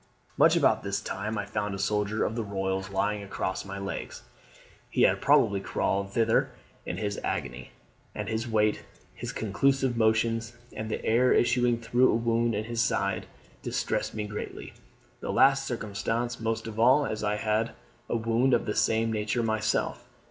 "Much about this time I found a soldier of the Royals lying across my legs: he had probably crawled thither in his agony; and his weight, his convulsive motions, and the air issuing through a wound in his side, distressed me greatly; the last circumstance most of all, as I had a wound of the same nature myself.